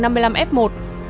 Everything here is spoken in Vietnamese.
trong đó có tám f một của anh nvd